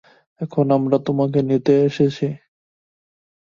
এখন আমরা তোমাকে নিতে এসেছি।